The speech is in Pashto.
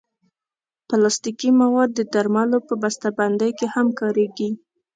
پلاستيکي مواد د درملو په بستهبندۍ کې هم کارېږي.